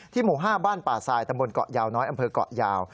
หมู่๕บ้านป่าทรายตำบลเกาะยาวน้อยอำเภอกเกาะยาว